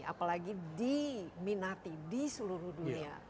apalagi diminati di seluruh dunia